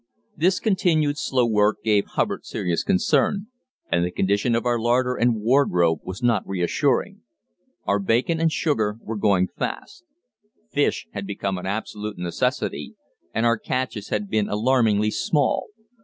This continued slow work gave Hubbard serious concern, and the condition of our larder and wardrobe was not reassuring. Our bacon and sugar were going fast. Fish had become an absolute necessity, and our catches had been alarmingly small.